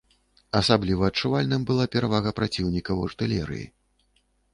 Асабліва адчувальным была перавага праціўніка ў артылерыі.